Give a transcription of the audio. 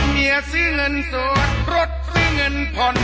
เมียซื้อเงินส่วนรถซื้อเงินผ่อน